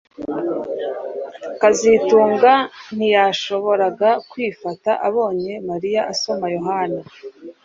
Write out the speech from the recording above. kazitunga ntiyashoboraga kwifata abonye Mariya asoma Yohana